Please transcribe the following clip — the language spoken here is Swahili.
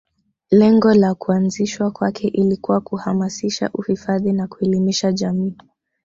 Lengo la kuanzishwa kwake ilikuwa kuhamasisha uhifadhi na kuelimisha jamii